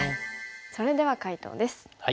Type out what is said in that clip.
それでは解答です。